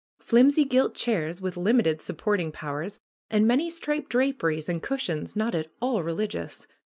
flimsy gilt chairs with limited supporting powers and many striped draperies and cushions not at all religious.